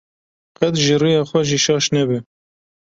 qet ji rêya xwe jî şaş nebe.